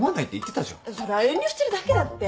そりゃ遠慮してるだけだって。